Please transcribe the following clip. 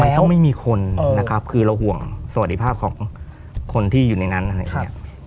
มันต้องไม่มีคนนะครับคือเราห่วงสวัสดิภาพของคนที่อยู่ในนั้นอะไรอย่างนี้